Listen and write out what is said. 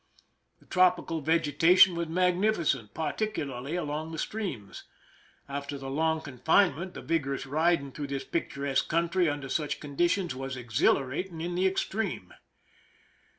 The tropi cal vegetation was magnificent, particularly along the streams. After the long confinement the vigor ous riding through this picturesque country, under such conditions, was exhilarating in the extreme.